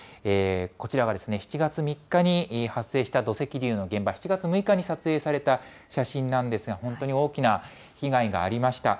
こちらは７月３日に発生した土石流の現場、７月６日に撮影された写真なんですが、本当に大きな被害がありました。